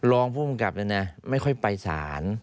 รองผู้กำกับเนี่ยนะไม่ค่อยไปสาร